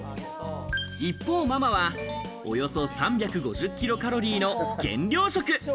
一方、ママはおよそ３５０ｋｃａｌの減量食。